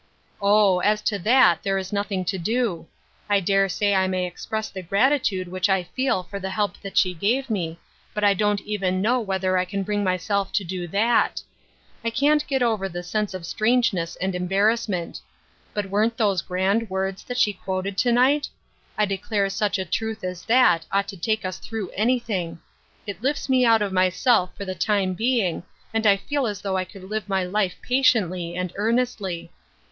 " Oh, as to that, there is nothing to do. I dare say I may express the gratitude which I reel for the help that she gave me, but I don't even know whether I can bring myself to do that. I can't get over the sense of strangeness and embarrassment. But weren't those grand words that she quoted to night ? I declare such a truth as that ought to take us through any thing I It lifts me out of myself for the time being and I feel as though I could live my life patiently and earnestly.